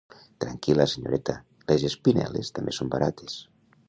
Tranquil·la, senyoreta, les espinel·les també són barates.